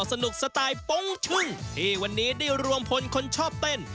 สไตล์โป้งชึ่งที่วันนี้ได้รวมพลคนชอบเต้น